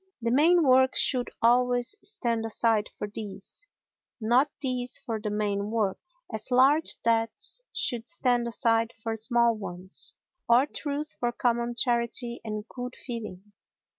The main work should always stand aside for these, not these for the main work, as large debts should stand aside for small ones, or truth for common charity and good feeling.